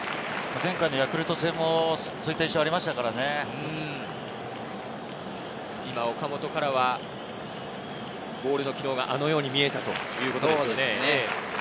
前回のヤクルト戦もそう今、岡本からはボールの軌道があのように見えたということですね。